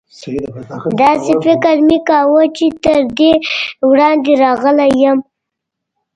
داسې فکر مې کاوه چې تر دې وړاندې راغلی یم.